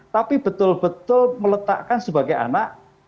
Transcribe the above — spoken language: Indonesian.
tapi betul betul meletakkan sebagai anak